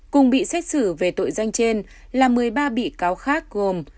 cùng bị xét xử về tội danh trên là một mươi ba bị cáo khác gồm